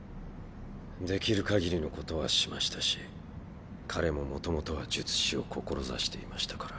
できるかぎりのことはしましたし彼ももともとは術師を志していましたから。